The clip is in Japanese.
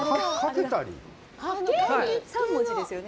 ３文字ですよね？